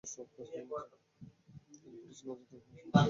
দিল্লির পুলিশের নজর তোর সব কাজকর্মে আছে।